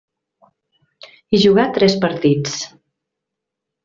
Hi jugà tres partits.